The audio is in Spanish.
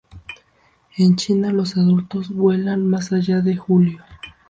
En China, los adultos vuelan más allá de julio.